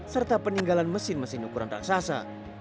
serta peninggalan mesin mesin ukuran raksasa